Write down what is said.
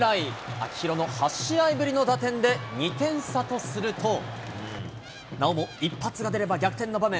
秋広の８試合ぶりの打点で２点差とすると、なおも一発が出れば逆転の場面。